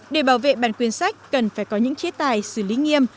để bảo vệ bản quyền sách cần phải có những chế tài xử lý nghiêm